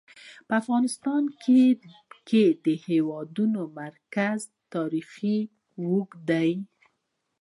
په افغانستان کې د د هېواد مرکز تاریخ اوږد دی.